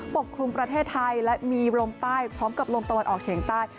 กลุ่มประเทศไทยและมีลมใต้พร้อมกับลมตะวันออกเฉียงใต้